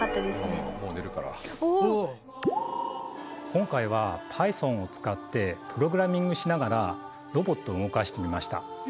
今回はＰｙｔｈｏｎを使ってプログラミングしながらロボットを動かしてみました。